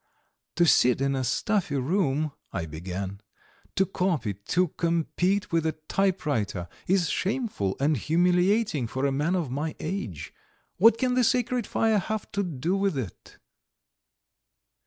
"To sit in a stuffy room," I began, "to copy, to compete with a typewriter, is shameful and humiliating for a man of my age. What can the sacred fire have to do with it?"